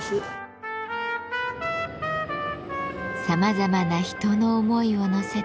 さまざまな人の思いを乗せて。